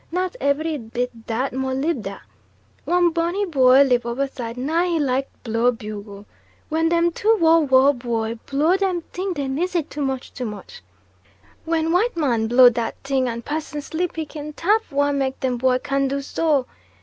Not ebry bit dat, more lib da! One Boney bwoy lib oberside nah he like blow bugle. When dem two woh woh bwoy blow dem ting de nize too much too much. When white man blow dat ting and pussin sleep he kin tap wah make dem bwoy carn do so?